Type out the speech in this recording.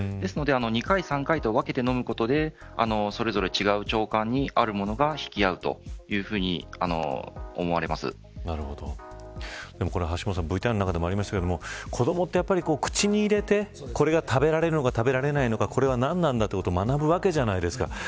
ですので２回、３回と分けてのむことでそれぞれ違う腸管にあるものが引き合うというふうにでも橋下さんＶＴＲにもありましたが子どもは、口に入れて、これが食べられるのか食べられないのかこれは何なんだということを学ぶわけじゃないですか。